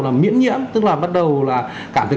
là miễn nhiễm tức là bắt đầu là cảm thấy